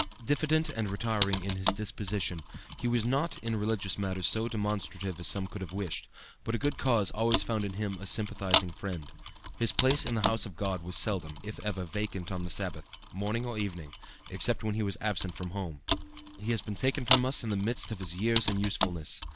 "Diffident and retiring in his disposition, he was not in religious matters so demonstrative as some could have wished, but a good cause always found in him a sympathizing friend. His place in the house of God was seldom, if ever, vacant on the Sabbath, morning or evening, except when he was absent from home. "He has been taken from us in the midst of his years and usefulness.